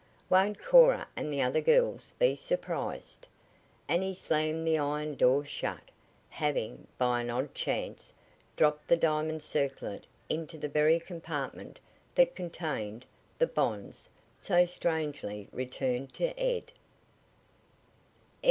Won't Cora and the other girls be surprised!" and he slammed the iron door shut, having, by an odd chance, dropped the diamond circlet into the very compartment that contained the bonds so strangely returned to Ed.